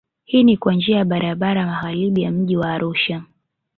Hii ni kwa njia ya barabara magharibi ya mji wa Arusha